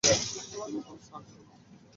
তুমি কোনো সার্জন নও।